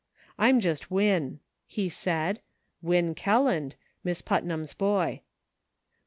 " I'm just Win," he said —" Win Kelland, Miss Putnam's boy."